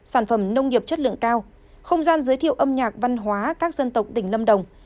sản phẩm nông nghiệp chất lượng cao không gian giới thiệu âm nhạc văn hóa các dân tộc tỉnh lâm đồng